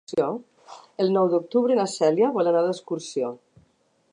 El nou d'octubre na Cèlia vol anar d'excursió.